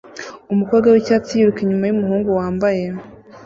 Umukobwa wicyatsi yiruka inyuma yumuhungu wambaye